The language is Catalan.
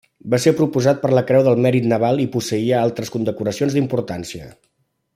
Va ser proposat per la creu del Mèrit Naval i posseïa altres condecoracions d'importància.